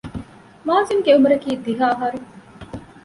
މާޒިންގެ އުމުރަކީ ދިހަ އަހަރު